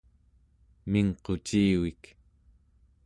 mingqucivik